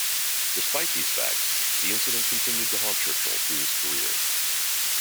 Despite these facts, the incident continued to haunt Churchill through his career.